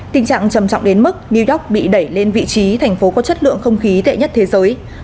tình trạng trầm trọng đến mức new york bị đẩy lên vị trí thành phố có chất lượng không khí tệ nhất thế giới